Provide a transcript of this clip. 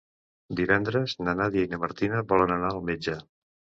Divendres na Nàdia i na Martina volen anar al metge.